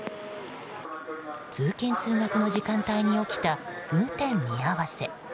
通勤・通学の時間帯に起きた運転見合わせ。